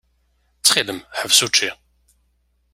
Ttxil-m, ḥbes učči.